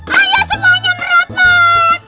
ayo semuanya merawat